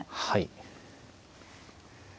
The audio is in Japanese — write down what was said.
はい。